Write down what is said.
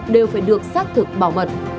đều phải được xác thực bảo mật